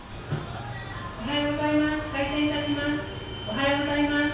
「おはようございます。